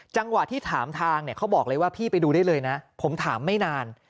จังหวะที่ถามทางเนี่ยเขาบอกเลยว่าพี่ไปดูได้เลยนะผมถามไม่นาน